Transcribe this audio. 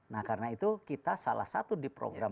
nah karena itu kita salah satu di program